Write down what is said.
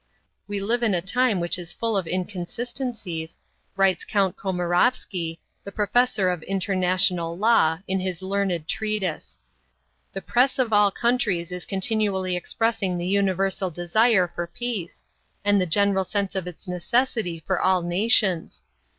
"We live in a time which is full of inconsistencies," writes Count Komarovsky, the professor of international law, in his learned treatise. "The press of all countries is continually expressing the universal desire for peace, and the general sense of its necessity for all nations.